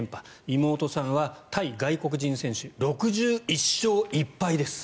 妹さんは対外国人選手６１勝１敗です。